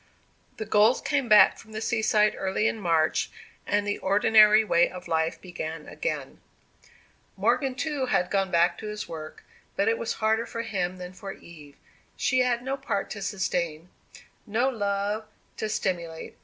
The Golds came back from the seaside early in March, and the ordinary way of life began again. Morgan, too, had gone back to his work, but it was harder for him than for Eve. She had no part to sustain no love to simulate.